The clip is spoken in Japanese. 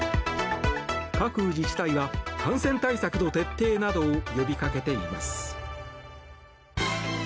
各自治体は感染対策の徹底などを呼びかけています。